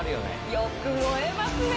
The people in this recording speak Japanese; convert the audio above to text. よく燃えますね！